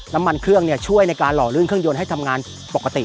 น้ำมันเครื่องช่วยในการหล่อลื่นเครื่องยนต์ให้ทำงานปกติ